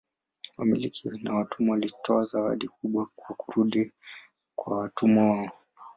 Wamiliki wa watumwa walitoa zawadi kubwa kwa kurudi kwa watumwa wao.